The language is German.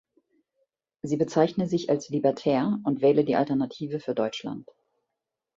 Sie bezeichne sich als „libertär“ und wähle die Alternative für Deutschland.